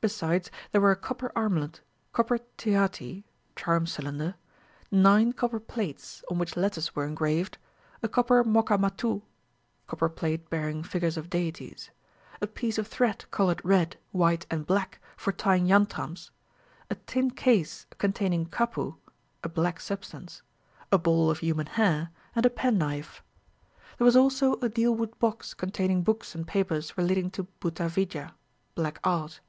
Besides, there were a copper armlet, copper thyati (charm cylinder), nine copper plates, on which letters were engraved, a copper mokka mattoo (copper plate bearing figures of deities), a piece of thread coloured red, white and black, for tying yantrams, a tin case containing kappu (a black substance), a ball of human hair, and a pen knife. There was also a dealwood box containing books and papers relating to bhuta vidya (black art).